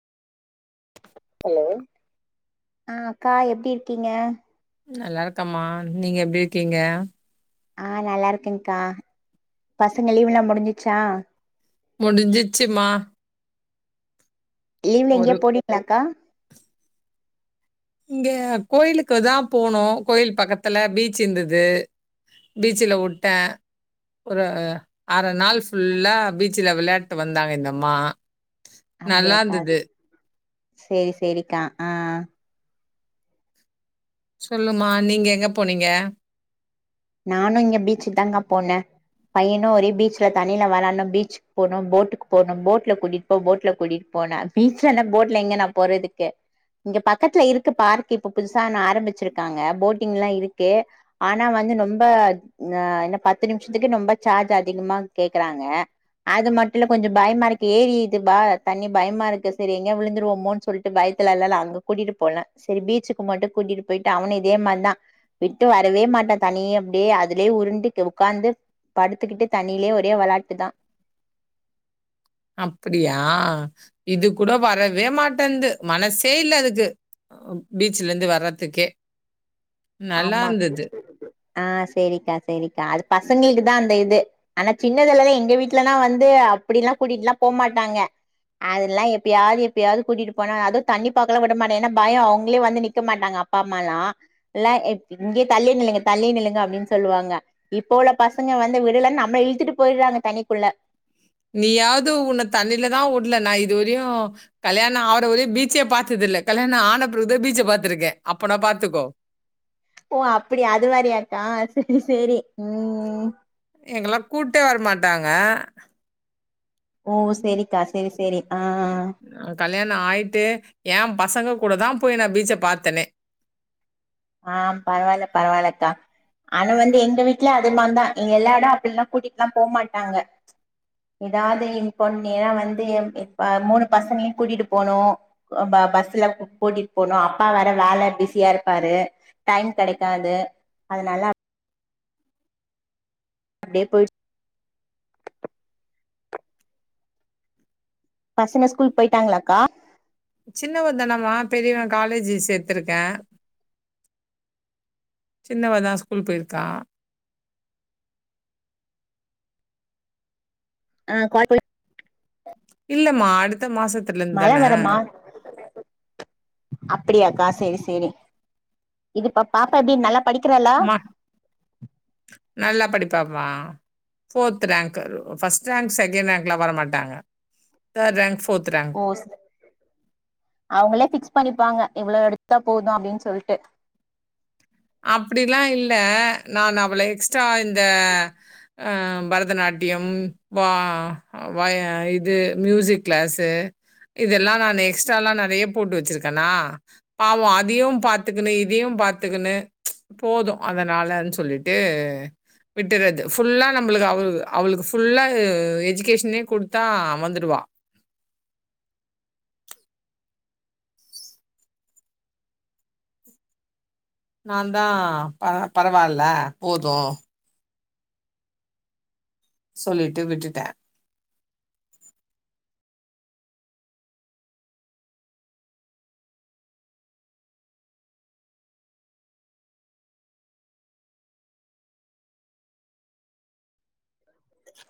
Hello ஆஹ் அக்கா எப்டி இருக்கீங்க நல்லாருக்கமா நீங்க எப்டி இருக்கீங்க ஆஹ் நல்லா இருக்கேங்க்கா பசங்க லீவுல்லா முடிஞ்சிச்சா முடிஞ்சிச்சுமா லீவ்ல எங்கயா ஒரு போனீங்ளாக்கா இங்க கோயிலுக்கு தா போனோ கோயில் பக்கத்துல பீச் இந்துது பீச்சுல உட்டே ஒரு அர நாள் ஃபுல்லா பீச்சுல விளான்டு வந்தாங்க இந்தம்மா அப்டியாக்கா நல்லாந்துது சேரி சேரிக்கா ஆஹ் சொல்லுமா நீங்க எங்க போனீங்க நானு இங்க பீச்சுக் தாங்க்கா போனே பையனு ஒரே பீச்ல தண்ணில வெளாட்னு பீச்சுக் போணு போட்டுக்கு போணு போட்ல கூட்டிட் போ போட்ல கூட்டிட் போன்னு பீச்லனா போட்ல எங்க நா போறதுக்கு இங்க பக்கத்துல இருக்கு பார்க் இப்ப புதுசா ன ஆரம்பிச்சிருக்காங்க போட்டிங்ல்லா இருக்கு ஆனா வந்து ரொம்ப ந என்ன பத்து நிம்ஷத்துக்கே ரொம்ப சார்ஜ் அதிகமா கேக்கறாங்க அது மட்டு இல்ல கொஞ்ச பயமா இருக்கு ஏரி இதுபா தண்ணி பயமாருக்கு செரி எங்கயா விழுந்துருவமோன் சொல்ட்டு பயத்துல எல்லால அங்க கூட்டிட்டு போனே செரி பீச்சுக்கு மட்டு கூட்டிட்டு போயிட்டு அவனு இதே மாரிதா விட்டு வரவே மாட்டா தண்ணி அப்டியே அதுலே உருண்டு க உக்காந்து படுத்துக்கிட்டு தண்ணிலே ஒரே வெளாட்டு தா அப்படியா இது கூட வரவே மாட்டன்து மனசே இல்ல அதுக்கு பீச்ல இருந்து வரதுக்கே ஆமா ஆஹ் செரிக்கா செரிக்கா அது பசங்க தா அந்த இது ஆனா சின்னதுலல்லா எங்க வீட்லல்லா வந்து அப்பிடில்லா கூட்டிட்ல்லா போமாட்டாங்க அதெல்லா எப்பயாவது எப்பயாவது கூட்டிட்டு போனாங்க அது தண்ணி பாக்கல்லா விட மாட்டாங் ஏன்னா பயோ அவுங்களே வந்து நிக்க மாட்டாங்க அப்பா அம்மாலா எல்லா எ இங்கயே தள்ளி நில்லுங்க தள்ளி நில்லுங்க அப்டின் சொல்லுவாங்க இப்ப உள்ள பசங்க வந்து விடலன் நம்மள இழுத்துட்டு போயிட்றாங்க தண்ணிக்குள்ள நீயாவ்து உன்ன தண்ணில தா உட்ல நா இதுவரயு கல்யாணோ ஆவர வரயு பீச்சே பாத்ததில்ல கல்யாணம் ஆனப்பிறவு தா பீச்ச பாத்திருக்கே அப்பனா பாத்துக்கோ ஓ அப்படி அது மாரியாக்கா செரி செரி உம் எங்கல்லா கூப்ட்டே வரமாட்டாங்க ஓ சேரிக்கா சேரி சேரி ஆஹ் ஏ பசங்க கூட தா போய் நா பீச்ச பாத்தனே ஆஹ் பரவால்ல பரவால்லக்கா ஆனா வந்து எங்க வீட்ல அதுல்லாந்தா எங்க எல்லாரு அப்பிட்ல்லா கூட்டிட்லா போமாட்டாங்க எதாவது இப்ப நேரா வந்து எ இப்ப மூணு பசங்களயு கூட்டிட்டு போனு ப பஸ்ல க் கூட்டிட் போனு அப்பா வேற வேல பிஸியா இருப்பாரு டைம் கெடைக்காது அதனால அப்டியே போய்டுச் பசங்க ஸ்கூல் போயிட்டாங்களாக்கா. சின்னவெ தானம்மா பெரியவே காலேஜு சேத்திருக்கே சின்னவதா ஸ்கூல் போயிருக்கா. [inaudible] இல்லமா அடுத் மழை வரமா அப்படியாக்கா செரி செ செரி இது பா பாப்பா எப்டி நல்லா படிக்கிறாளா மா நல்லா படிப்பு மொத்தமா fourth rank first rank, second ரேங்க்ல வர மாட்டாங்க ஃதேர்ட் ரேங்க். ரேங்க். ஓ ஸ் அவுங்களே ஃபிக்ஸ் பண்ணிப்பாங்க. இவ்ளோ எடுத்தா போது அப்டின்னு சொல்ட்டு. அப்டில்லா இல்ல நான் அவள எக்ஸ்ட்ரா இந்த அ பரதநாட்டியம் குவா வய இது மியூசிக் கிளாஸ்ஸு, இதெல்லா நான் எக்ஸ்ட்ரா எல்லா நெறையா போட்டு வச்சுருக்கேனா பாவோ அதையு பாத்துக்கணு இதையு பாத்துக்கணு. போது அதனாலன்னு சொல்லிட்டு விட்டுறது, ஃபுல்லா நம்மளுக்கு அவளுக் அவளுக்கு ஃபுல்லா எஜிகேஷனே குடுத்தா வந்துடுவா. நா தான் பர பரவால்ல போது சொல்லிட்டு விட்டுட்டே